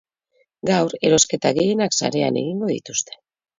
Gaur erosketa gehienak sarean egingo dituzte.